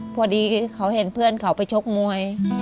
พอดีเขาเห็นเพื่อนเขาไปชกมวย